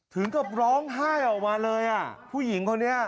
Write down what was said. ถึงกับร้องไห้ออกมาเลยอ่ะผู้หญิงคนนี้